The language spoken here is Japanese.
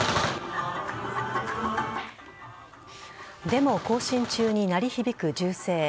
デモ行進中に鳴り響く銃声。